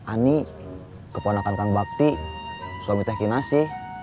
ani keponakan kang bakti suami teh kinasi